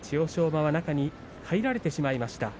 馬は中に入られてしまいました。